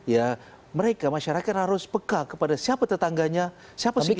ya mereka masyarakat harus peka kepada siapa tetangganya siapa sih